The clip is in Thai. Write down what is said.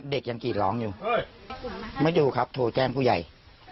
เด็กยังกรีดร้องอยู่ไม่ดูครับโทรแจ้งผู้ใหญ่